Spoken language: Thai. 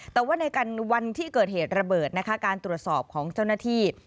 แต่ว่าในวันที่เกิดเหตุระเบิดนะคะการตรวจสอบของเจ้าหน้าที่